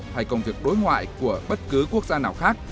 hay công việc đối ngoại của bất cứ quốc gia nào khác